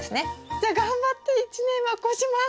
じゃあ頑張って１年は越します！